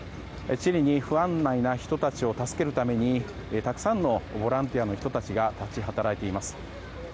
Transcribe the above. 地理に不案内な人を助けるためにたくさんのボランティアの人たちが立ち働いています。